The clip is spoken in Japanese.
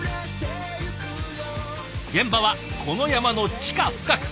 現場はこの山の地下深く。